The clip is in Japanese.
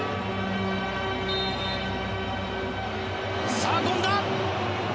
さあ、権田！